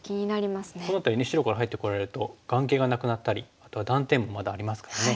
この辺りね白から入ってこられると眼形がなくなったりあとは断点もまだありますからね。